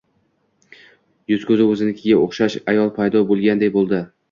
yuz-ko'zi o'zinikiga o'xshash ayol paydo bo'lganday bo'ldi.